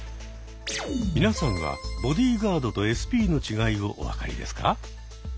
皆さんはボディーガードとＳＰの違いをお分かりですか？